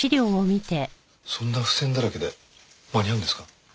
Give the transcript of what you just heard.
そんな付箋だらけで間に合うんですか？